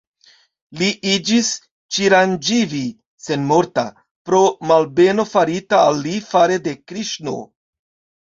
Li iĝis "Ĉiranĝivi" (senmorta) pro malbeno farita al li fare de Kriŝno.